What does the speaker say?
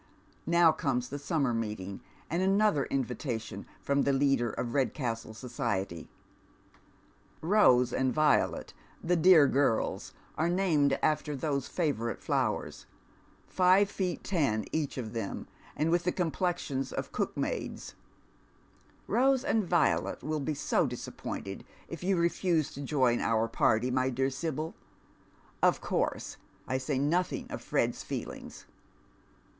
Now comes the summer meeting, and another invitation from tlie leader of Redcastle society. " Rose and Violet," the dear girls are named after those favourite flowers — five feet ten each of them, and with the com plexions of cookmaids ;—" Rose and Violet will be so disap pointed if you refuse to join our party, my dear Sibyl, Of cour.;o I say nothing of Fred's feelings."